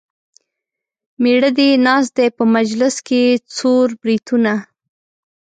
مېړه دې ناست دی په مجلس کې څور بریتونه.